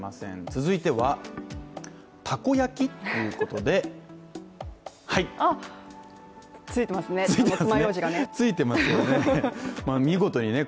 続いては、「たこやき？？」ということでついてますね、爪ようじがね。